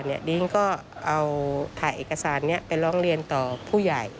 ดิ้งก็เอาถ่ายเอกสารนี้ไปร้องเรียนต่อผู้ใหญ่